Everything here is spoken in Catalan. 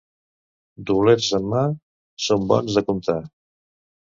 Doblers en mà són bons de comptar.